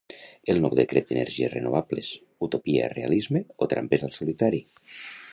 El nou decret d’energies renovables: utopia, realisme o trampes al solitari?